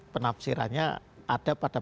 penafsirannya ada pada